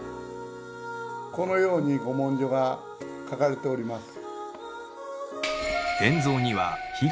このように古文書が書かれております。